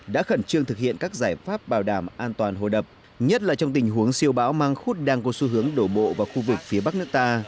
đã khẩn trương thực hiện các giải pháp bảo đảm an toàn hồ đập nhất là trong tình huống siêu bão mang khúc đang có xu hướng đổ bộ vào khu vực phía bắc nước ta